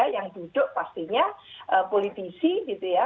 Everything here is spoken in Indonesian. yang duduk pastinya politisi gitu ya